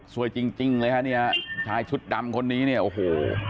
จริงจริงเลยฮะเนี่ยชายชุดดำคนนี้เนี่ยโอ้โห